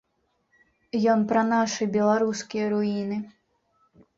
Ён пра нашы беларускія руіны.